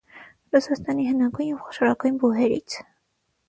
Ռուսաստանի հնագույն և խոշորագույն բուհերից։